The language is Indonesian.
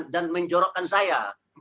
dan menjorokkan saya